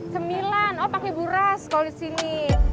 cemilan oh pakai buras kalau di sini